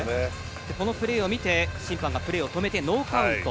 このプレーを見て審判がプレーを止めてノーカウント。